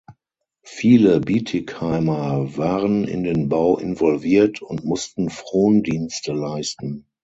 Viele Bietigheimer waren in den Bau involviert und mussten Frondienste leisten.